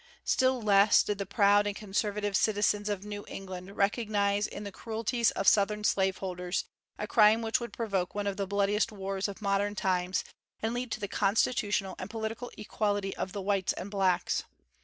Still less did the proud and conservative citizens of New England recognize in the cruelties of Southern slaveholders a crime which would provoke one of the bloodiest wars of modern times, and lead to the constitutional and political equality of the whites and blacks.